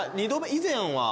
以前は。